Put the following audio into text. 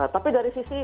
tapi dari sisi